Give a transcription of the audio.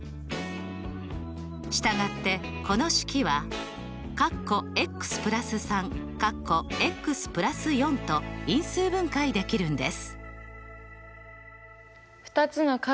したがってこの式はと因数分解できるんです。